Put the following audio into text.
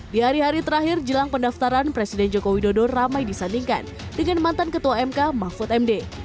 di hari hari terakhir jelang pendaftaran presiden joko widodo ramai disandingkan dengan mantan ketua mk mahfud md